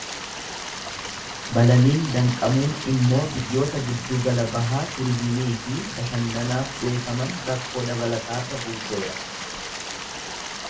Balaliin danqamuun immoo biyyoota Giddugala Bahaa turizimiifi bashannanaaf beekaman rakkoo dabalataarra buuseera.